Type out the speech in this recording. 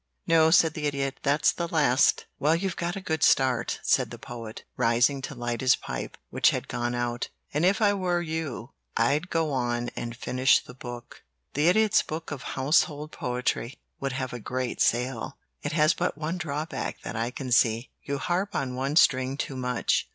"No," said the Idiot; "that's the last." "Well, you've got a good start," said the Poet, rising to light his pipe, which had gone out. "And if I were you I'd go on and finish the book. 'The Idiot's Book of Household Poetry' would have a great sale. It has but one drawback that I can see. You harp on one string too much.